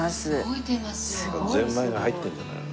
ぜんまいが入ってるんじゃないの？